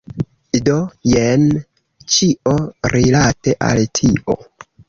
Do, jen ĉio, rilate al tio.